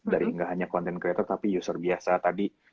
dari nggak hanya content creator tapi user biasa tadi